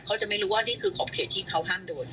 เขาจะไม่รู้ว่านี่คือขอบเขตที่เขาห้ามโดน